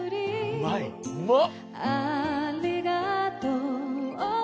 うまっ！